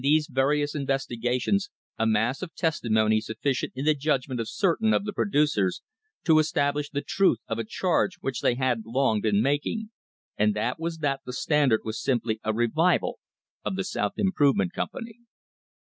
[228 ] THE CRISIS OF 1878 various investigations a mass of testimony sufficient in the judgment of certain of the producers to establish the truth of a charge which they had long been making, and that was that the Standard was simply a revival of the South Improvement Company.